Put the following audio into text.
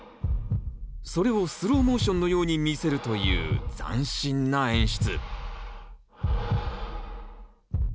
それをスローモーションのように見せるという斬新な演出。